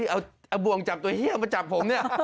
เอาบ่วงจับตัวเฮียมาจับผมเนี่ย